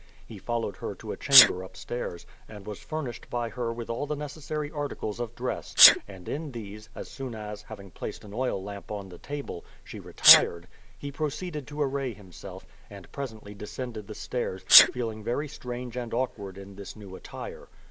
He followed her to a chamber upstairs, and was furnished by her with all the necessary articles of dress; and in these, as soon as, having placed an oil lamp on the table, she retired, he proceeded to array himself, and presently descended the stairs, feeling very strange and awkward in this new attire.